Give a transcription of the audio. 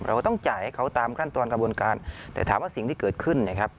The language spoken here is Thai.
เราก็ต้องจ่ายให้เขาตามขั้นตอนกระบวนการแต่ถามว่าสิ่งที่เกิดขึ้นนะครับ